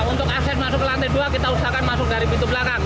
untuk aset masuk ke lantai dua kita usahakan masuk dari pintu belakang